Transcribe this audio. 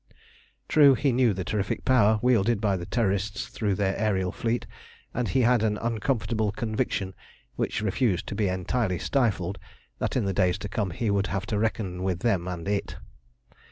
True, he knew the terrific power wielded by the Terrorists through their aërial fleet, and he had an uncomfortable conviction, which refused to be entirely stifled, that in the days to come he would have to reckon with them and it.